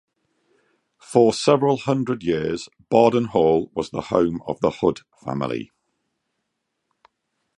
For several hundred years Bardon Hall was the home of the Hood family.